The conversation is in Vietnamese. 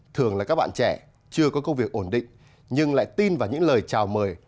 thường là các bạn trẻ chưa có công việc ổn định nhưng lại tin vào những lời chào mời